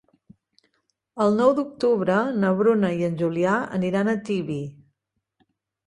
El nou d'octubre na Bruna i en Julià aniran a Tibi.